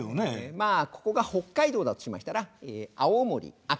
まあここが北海道だとしましたら青森秋田秋田